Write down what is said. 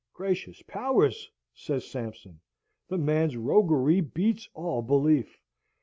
"Gracious powers!" says Sampson, "the man's roguery beats all belief!